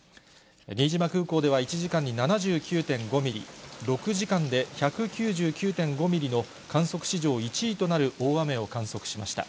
新島空港では１時間に７９．５ミリ、６時間で１９９．５ミリの観測史上１位となる大雨を観測しました。